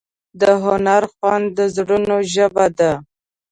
د هنر خوند د زړونو ژبه ده.